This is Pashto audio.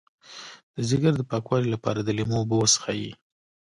د ځیګر د پاکوالي لپاره د لیمو اوبه وڅښئ